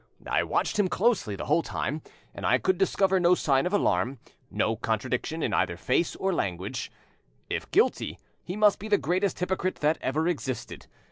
I watched him closely the whole time, and I could discover no sign of alarm, no contradiction, in either face or language; if guilty, he must be the greatest hypocrite that ever existed.